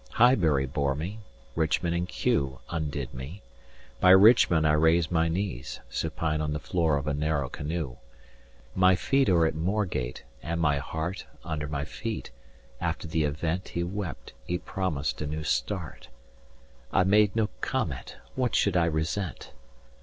Highbury bore me. Richmond and Kew Undid me. By Richmond I raised my knees Supine on the floor of a narrow canoe." 295 "My feet are at Moorgate, and my heart Under my feet. After the event He wept. He promised 'a new start.' I made no comment. What should I resent?"